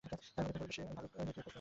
আমি প্রতিকূল পরিবেশে ভালুক পোষ মানিয়েছি।